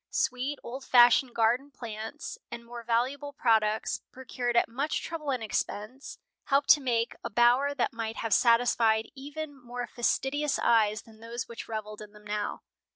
Sweet, old fashioned garden plants and more valuable products, procured at much trouble and expense, helped to make a bower that might have satisfied even more fastidious eyes than those which reveled in them now.